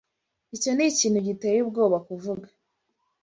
Icyo ni ikintu giteye ubwoba kuvuga.